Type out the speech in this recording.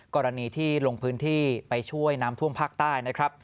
กรณีที่ลงพื้นที่ไปช่วยน้ำท่วมภาคใต้นะครับ